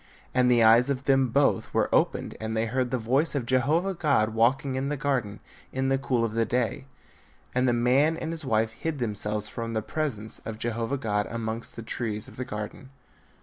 And the eyes of them both were opened and they beard the voice of Jehovah God walking in the garden in the cool of the day: and the man and his wife hid themselves from the presence of Jehovah God amongst the trees of the garden.